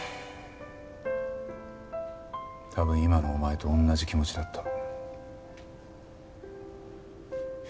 多分今のお前と同じ気持ちだった。